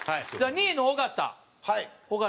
２位の尾形。